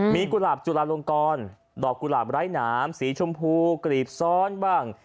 มีกุหลาบจุลาลงกรดอกกุหลาบไร้หนามสีชมพูกรีบซ้อนบ้าง